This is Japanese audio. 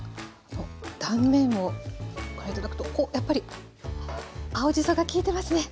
断面をご覧頂くとやっぱり青じそがきいてますね！